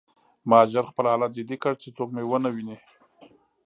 ما ژر خپل حالت جدي کړ چې څوک مې ونه ویني